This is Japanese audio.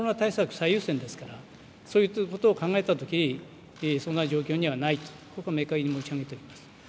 最優先ですから、そういうことを考えたときにそんな状況にはないというふうに明解に申し上げております。